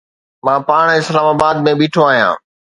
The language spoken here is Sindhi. مان پاڻ اسلام آباد ۾ بيٺو آهيان